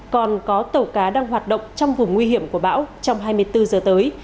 còn có tàu cá đang hoạt động trong vùng nguy hiểm của bão trong hai mươi bốn giờ tới